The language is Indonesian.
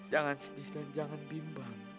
jangan sedih dan jangan bimbang